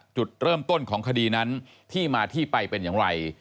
จุดเริ่มต้นของคดีนั้นที่มาที่ไปเป็นอย่างไร